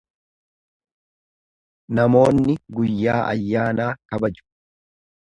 Namoonni guyyaa ayyaanaa kabaju.